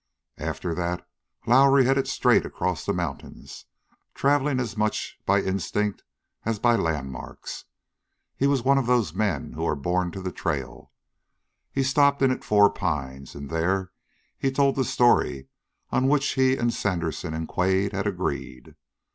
After that Lowrie headed straight across the mountains, traveling as much by instinct as by landmarks. He was one of those men who are born to the trail. He stopped in at Four Pines, and there he told the story on which he and Sandersen and Quade had agreed.